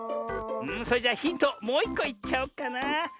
それじゃヒントもういっこいっちゃおうかな。